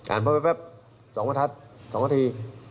อ่านแป๊บสองวันทัศน์สองวันที